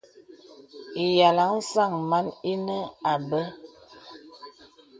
Ìyàlaŋ sàŋ màn ìnə àbə̀.